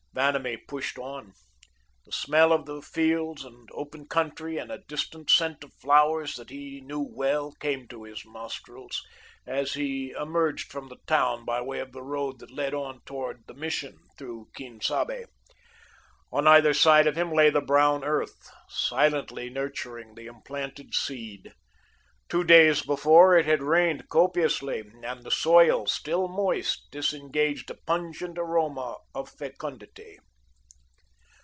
Vanamee pushed on. The smell of the fields and open country, and a distant scent of flowers that he knew well, came to his nostrils, as he emerged from the town by way of the road that led on towards the Mission through Quien Sabe. On either side of him lay the brown earth, silently nurturing the implanted seed. Two days before it had rained copiously, and the soil, still moist, disengaged a pungent aroma of fecundity.